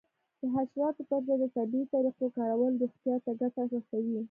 د حشراتو پر ضد د طبیعي طریقو کارول روغتیا ته ګټه رسوي.